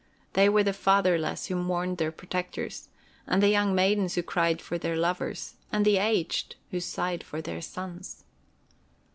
They were the fatherless who mourned their protectors, and the young maidens who cried for their lovers, and the aged who sighed for their sons.